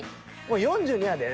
もう４２やで。